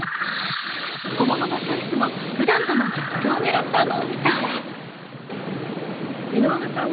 小物のチョイスも普段とのギャップを狙ったモンスター。